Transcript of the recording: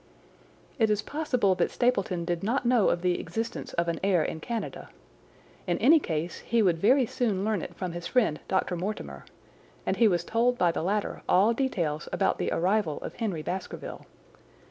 "It is possible that Stapleton did not know of the existence of an heir in Canada. In any case he would very soon learn it from his friend Dr. Mortimer, and he was told by the latter all details about the arrival of Henry Baskerville.